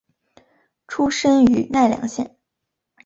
出身于奈良县。